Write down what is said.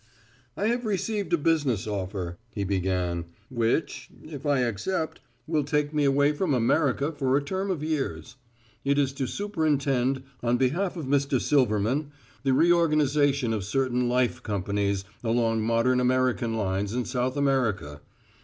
"I have received a business offer," he began, "which if I accept will take me away from America for a term of years. It is to superintend, on behalf of Mr. Silverman, the reorganization of certain life companies along modern American lines in South America.